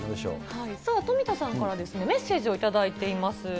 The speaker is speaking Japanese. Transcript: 富田さんからメッセージを頂いています。